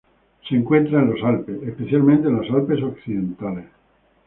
Se encuentra en los Alpes, especialmente en los Alpes occidentales.